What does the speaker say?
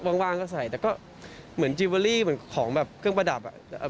เวลาว้างก็ใส่เหมือนจีวารี่หรือของเชิงประดับ